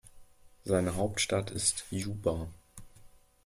Seine Hauptstadt ist Juba.